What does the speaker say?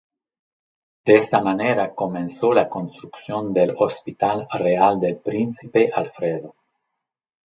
De esta manera comenzó la construcción del Hospital Real del Príncipe Alfredo.